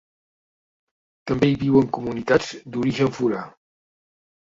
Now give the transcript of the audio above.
També hi viuen comunitats d’origen forà.